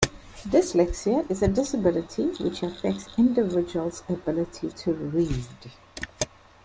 Dyslexia is a disability which affects individual's ability to read.